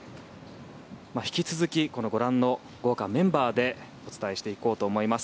引き続きご覧の豪華メンバーでお伝えしていこうと思います。